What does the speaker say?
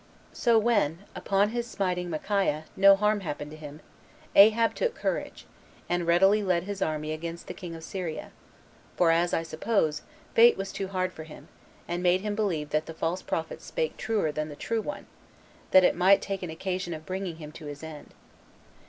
So when, upon his smiting Micaiah, no harm happened to him, Ahab took courage, and readily led his army against the king of Syria; for, as I suppose, fate was too hard for him, and made him believe that the false prophets spake truer than the true one, that it might take an occasion of bringing him to his end.